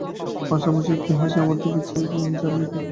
মাস্টারমশায় একটু হেসে আমার দিকে চেয়ে বললেন, জান নিখিল?